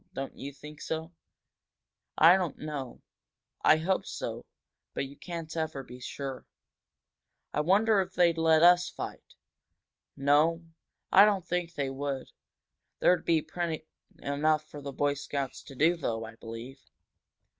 Don't you think so?" "I don't know I hope so. But you can't ever be sure." "I wonder if they'd let us fight?" "No, I don't think they would, Dick. There'd be plenty for the Boy Scouts to do though, I believe."